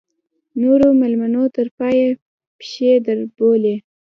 نورو مېلمنو تر پایه پښې دربولې.